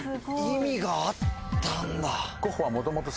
意味があったんだ。